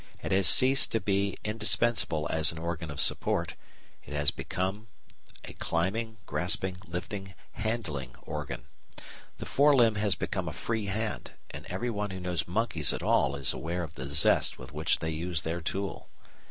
It has ceased to be indispensable as an organ of support; it has become a climbing, grasping, lifting, handling organ. The fore limb has become a free hand, and everyone who knows monkeys at all is aware of the zest with which they use their tool.